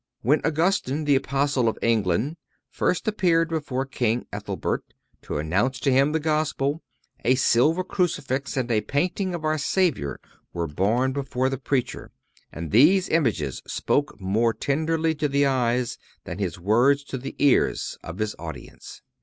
When Augustine, the Apostle of England, first appeared before King Ethelbert to announce to him the Gospel, a silver crucifix and a painting of our Savior were borne before the preacher, and these images spoke more tenderly to the eyes than his words to the ears of his audience.